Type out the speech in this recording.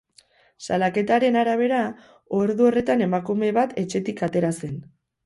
Salaketaren arabera, ordu horretan emakume bat etxetik atera zen.